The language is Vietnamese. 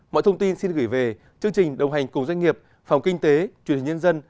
mọi thông tin xin gửi về chương trình đồng hành cùng doanh nghiệp phòng kinh tế truyền hình nhân dân